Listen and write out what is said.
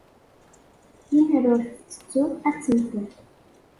Lemmer ur tettetteḍ, ad temmteḍ.